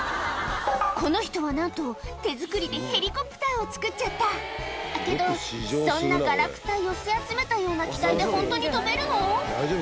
この人はなんと手作りでヘリコプターを作っちゃったけどそんながらくた寄せ集めたような機体でホントに飛べるの？